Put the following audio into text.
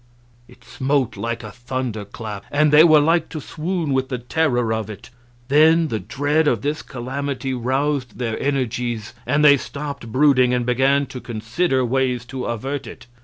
It smote like a thunderclap, and they were like to swoon with the terror of it. Then the dread of this calamity roused their energies, and they stopped brooding and began to consider ways to avert it.